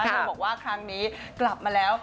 เธอบอกว่าครั้งนี้กลับมาแล้ว